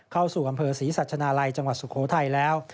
เข้าสู่อำเภอศรีสัชนาลัยจังหวัดสุโขทัยแล้ว